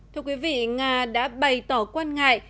thưa quý vị nga đã bày tỏ quan ngại